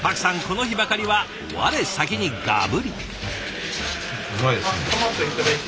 この日ばかりは我先にガブリ。